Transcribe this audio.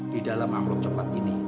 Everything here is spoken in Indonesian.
di dalam angkluk coklat ini